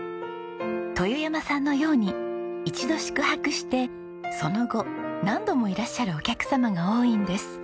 豊山さんのように一度宿泊してその後何度もいらっしゃるお客様が多いんです。